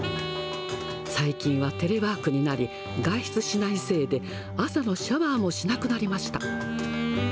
最近はテレワークになり、外出しないせいで、朝のシャワーもしなくなりました。